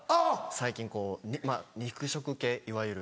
最近こう肉食系いわゆる。